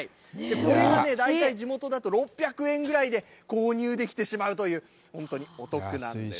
これがね、大体地元だと６００円ぐらいで購入できてしまうという、本当にお得なんです。